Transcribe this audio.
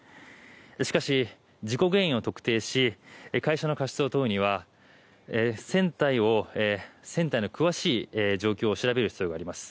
しかし、事故原因を特定し会社の過失を問うには船体の詳しい状態を調べる必要があります。